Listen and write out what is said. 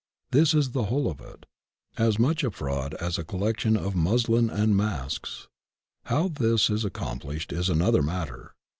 This is the whole of it; as much a fraud as a collection of muslin and masks. How this is ac complished is another matter.